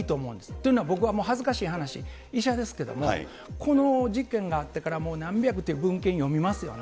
というのは、僕はもう恥ずかしい話、医者ですけども、この事件があってから、もう何百って文献を読みますよね。